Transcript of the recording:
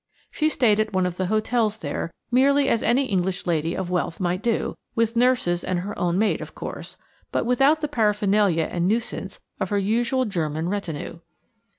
She stayed at one of the Hotels there merely as any English lady of wealth might do–with nurses and her own maid, of course, but without the paraphernalia and nuisance of her usual German retinue.